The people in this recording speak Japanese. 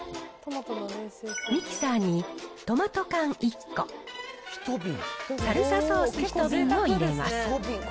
ミキサーにトマト缶１個、サルサソース１瓶を入れます。